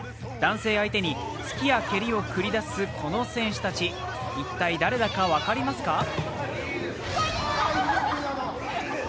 男性相手に突きや蹴りを繰り出すこの選手たち、一体誰だか分かりますか？